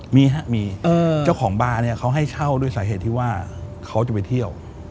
มีครับมีเจ้าของบาร์เนี่ยเขาให้เช่าด้วยสาเหตุที่ว่าเขาจะไปเที่ยว